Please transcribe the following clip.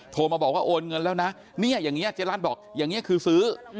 โทรมาบอกว่าโอนเงินแล้วนะเนี่ยอย่างนี้เจ๊รันบอกอย่างนี้คือซื้อ